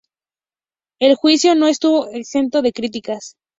El juicio no estuvo exento de críticas.